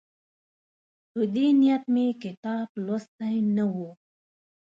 په دې نیت مې کتاب لوستی نه وو.